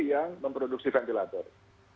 yang memproduksi ventilator